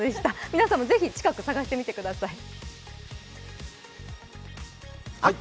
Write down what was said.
皆さんもぜひ近く、探してみてください。